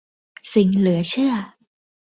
สิ่งเหลือเชื่อ